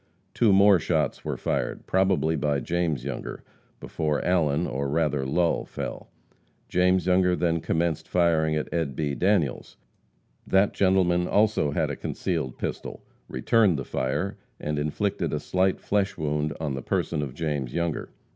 Two more shots were fired, probably by James Younger, before Allen, or rather Lull, fell. James Younger then commenced firing at Ed. B. Daniels. That gentleman also had a concealed pistol, returned the fire and inflicted a slight flesh wound on the person of James Younger.